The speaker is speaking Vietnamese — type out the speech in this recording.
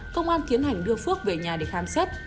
công an tiến hành đưa phước về nhà để khám xét